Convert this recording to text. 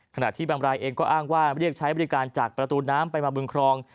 ขณะที่บางรายเองก็อ้างว่าเรียกใช้บริการจากประตูน้ำไปมาบึงครอง